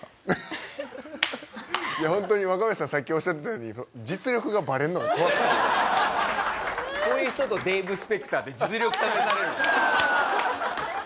いやホントに若林さんさっきおっしゃってたようにこういう人とデーブ・スペクターって実力試されるから。